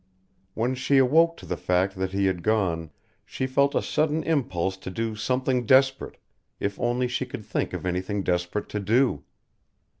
When she awoke to the fact that he had gone she felt a sudden impulse to do something desperate, if only she could think of anything desperate to do.